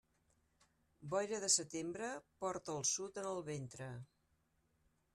Boira de setembre porta el sud en el ventre.